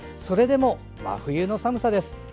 それでも真冬の寒さです。